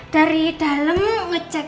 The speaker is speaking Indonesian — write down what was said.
dari dalem ngecek